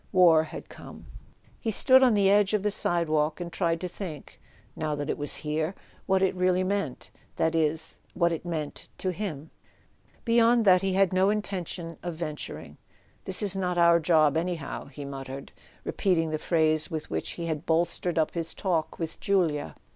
War had come. He stood on the edge of the sidewalk, and tried to think—now that it was here—what it really meant: that is, what it meant to him. Beyond that he had no intention of venturing. "This is not our job anyhow," he muttered, repeating the phrase with which he had bolstered up his talk with Julia.